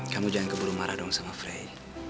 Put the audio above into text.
kamu jangan keburu marah dong sama frey